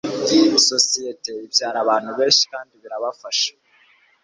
sosiyete ibyara abantu beshi kandi birabafasha